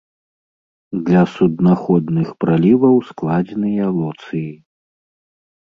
Для суднаходных праліваў складзеныя лоцыі.